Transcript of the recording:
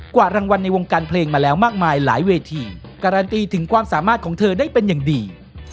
กว่ารางวัลในวงการเพลงมาแล้วมากมายหลายเวทีการันตีถึงความสามารถของเธอได้เป็นอย่างดี